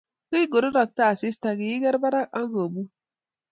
Yekingororokto asista kikiker parak ak kemuny